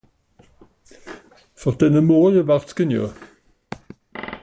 Fer denne Morje wär's genue.